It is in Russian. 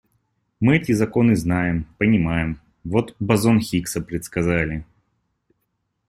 Мы эти законы знаем, понимаем, вот бозон Хиггса предсказали.